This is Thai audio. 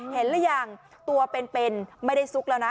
เห็นหรือยังตัวเป็นไม่ได้ซุกแล้วนะ